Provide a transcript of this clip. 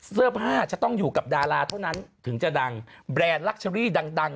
เสื้อผ้าจะต้องอยู่กับดาราเท่านั้นถึงจะดังแบรนด์ลักเชอรี่ดัง